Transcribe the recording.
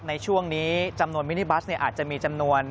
ในช่วงนี้จำนวนมินิบัสอาจจะมีจำนวน